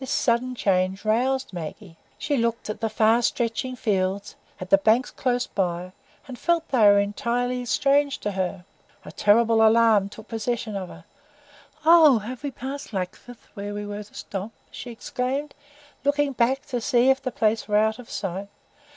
This sudden change roused Maggie. She looked at the far stretching fields, at the banks close by, and felt that they were entirely strange to her. A terrible alarm took possession of her. "Oh, have we passed Luckreth, where we were to stop?" she exclaimed, looking back to see if the place were out of sight.